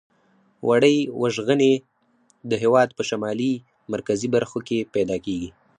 وړۍ وژغنې د هېواد په شمالي مرکزي برخو کې پیداکیږي.